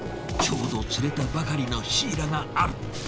ちょうど釣れたばかりのシイラがある。